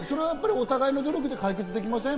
お互いの努力で解決できません？